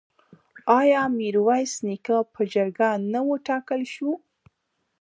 آیا میرویس نیکه په جرګه نه وټاکل شو؟